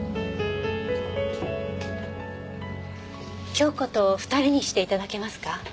京子と２人にして頂けますか？